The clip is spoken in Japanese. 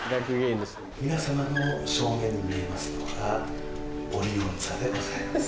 皆さまの正面に見えますのがオリオン座でございます。